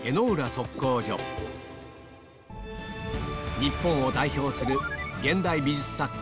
日本を代表する現代美術作家